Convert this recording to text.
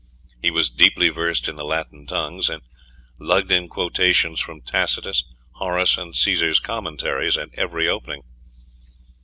He was deeply versed in the Latin tongues, and lugged in quotations from Tacitus, Horace, and Caesar's Commentaries at every opening.